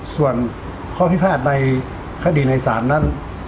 ส่วนข้อพิพาทในคดีในศาลนั้น